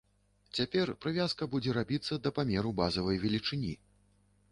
Цяпер прывязка будзе рабіцца да памеру базавай велічыні.